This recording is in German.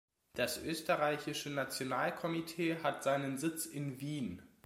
Das österreichische Nationalkomitee hat seinen Sitz in Wien.